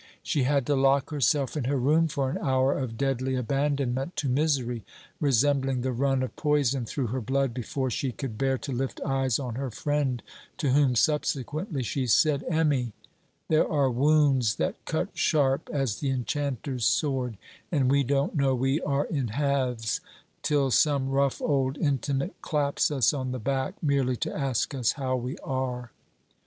She had to lock herself in her room for an hour of deadly abandonment to misery, resembling the run of poison through her blood, before she could bear to lift eyes on her friend; to whom subsequently she said: 'Emmy, there are wounds that cut sharp as the enchanter's sword, and we don't know we are in halves till some rough old intimate claps us on the back, merely to ask us how we are!